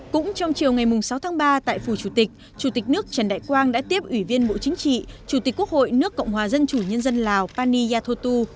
cũng trong chiều ngày sáu tháng ba tại phủ chủ tịch chủ tịch nước trần đại quang đã tiếp ủy viên bộ chính trị chủ tịch quốc hội nước cộng hòa dân chủ nhân dân lào pani yathotu